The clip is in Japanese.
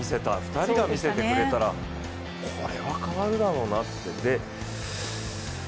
２人が見せてくれたら、これは変わるだろうなって。